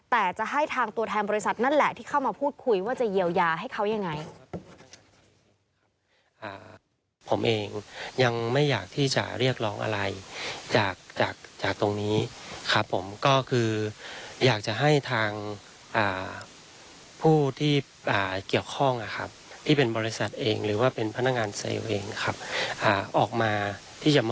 แต่จะให้ทางตัวแทนบริษัทนั่นแหละที่เข้ามาพูดคุยว่าจะเยียวยาให้เขายังไง